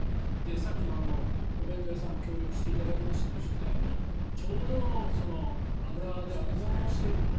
さっきもお弁当屋さん、取材に協力していただきましたけどちょうど油で揚げ物をしていると。